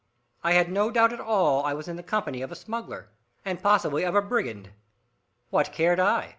I had no doubt at all I was in the company of a smuggler, and possibly of a brigand. What cared I?